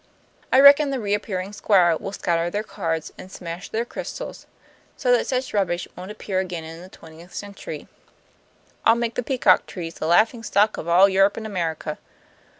I reckon the Reappearing Squire will scatter their cards and smash their crystals, so that such rubbish won't appear again in the twentieth century. I'll make the peacock trees the laughing stock of all Europe and America."